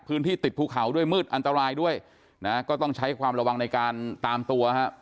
ติดภูเขาด้วยมืดอันตรายด้วยนะก็ต้องใช้ความระวังในการตามตัวฮะ